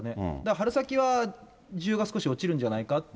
春先は需要が少し落ちるんじゃないかと。